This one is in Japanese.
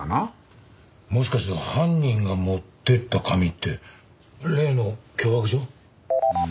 もしかして犯人が持っていった紙って例の脅迫状？